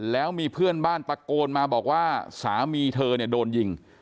แล้วมีเพื่อนบ้านตะโกนมาบอกว่าสามีเธอเนี่ยโดนยิง